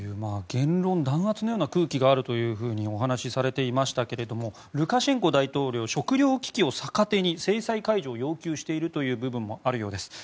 言論弾圧のような空気があるとお話しされていましたがルカシェンコ大統領は食糧危機を逆手に制裁解除を要求しているという部分もあるようです。